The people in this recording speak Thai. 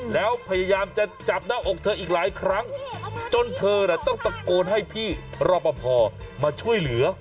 แล้วพยายามจะจับหน้าอกเธออีกหลายครั้งจนเธอน่ะต้องตะโกนให้พี่รอปภมาช่วยเหลือ